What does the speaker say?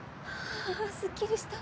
あすっきりした。